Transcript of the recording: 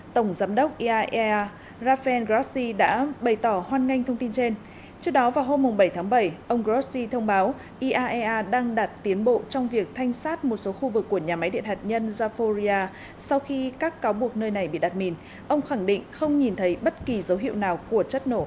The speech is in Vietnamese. tổng giám đốc iaea rafael grossi đã bày tỏ hoan nghênh thông tin trên trước đó vào hôm bảy tháng bảy ông grossi thông báo iaea đang đạt tiến bộ trong việc thanh sát một số khu vực của nhà máy điện hạt nhân zaporia sau khi các cáo buộc nơi này bị đặt mìn ông khẳng định không nhìn thấy bất kỳ dấu hiệu nào của chất nổ